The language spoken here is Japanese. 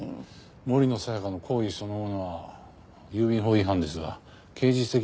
森野さやかの行為そのものは郵便法違反ですが刑事責任は問えません。